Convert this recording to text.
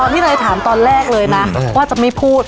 ที่เนยถามตอนแรกเลยนะว่าจะไม่พูด